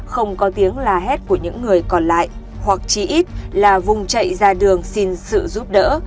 không có tiếng la hét của những người còn lại hoặc chỉ ít là vùng chạy ra đường xin sự giúp đỡ